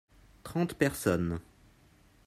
trente personnes.